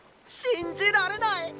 信じられない！